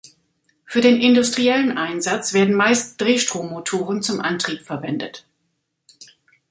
Für den industriellen Einsatz werden meist Drehstrommotoren zum Antrieb verwendet.